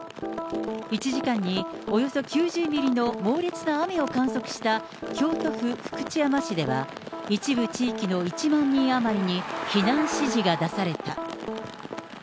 １時間におよそ９０ミリの猛烈な雨を観測した京都府福知山市では、一部地域の１万人余りに避難指示が出された。